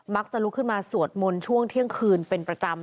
จะลุกขึ้นมาสวดมนต์ช่วงเที่ยงคืนเป็นประจำ